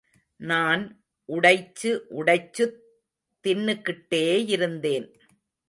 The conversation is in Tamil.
நான் உடைச்சு உடைச்சுத் தின்னுக்கிட்டேயிருந்தேன்.